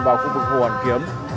vào khu vực hồ hàn kiếm